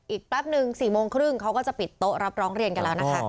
แป๊บนึง๔โมงครึ่งเขาก็จะปิดโต๊ะรับร้องเรียนกันแล้วนะคะ